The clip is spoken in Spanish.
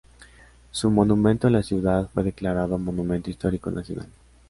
Su monumento en la ciudad fue declarado Monumento Histórico Nacional.